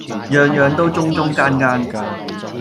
樣樣都中中間間